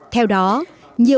theo đó nhiều đại biểu